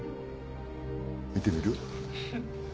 見てみる？